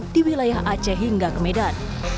di wilayah aceh hingga kemedan